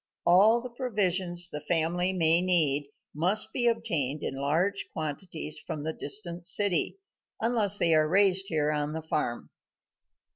All the provisions the family may need must be obtained in large quantities from the distant city, unless they are raised here on the farm.